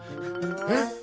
えっ？